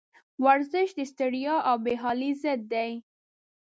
ورزش د ستړیا او بېحالي ضد دی.